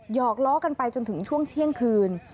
อกล้อกันไปจนถึงช่วงเที่ยงคืน